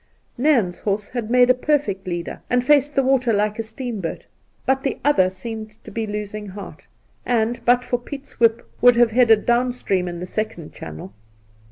Nairn's horse had made a perfect leader, and faced the water like a steamboat ; but the other seemed to be losing heart, and but for Piet's whip would have headed down stream in the second ■channel.